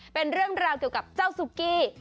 เป็นเรื่องราวเกี่ยวกับเจ้าซุกี้